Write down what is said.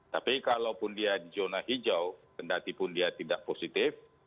tapi kalau pun dia di zona hijau tentu pun dia tidak positif